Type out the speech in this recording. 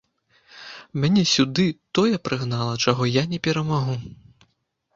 Мяне сюды тое прыгнала, чаго я не перамагу.